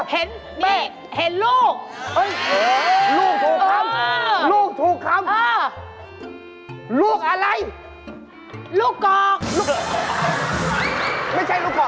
พร้อมลูกหัวเขาใกล้ทักป้า